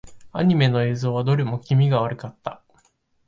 アニメの映像はどれも気味が悪かった。